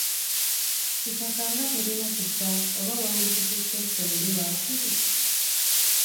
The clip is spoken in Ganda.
Kitaka nga tolina kisa oba wanditututte ffembi waakiri!?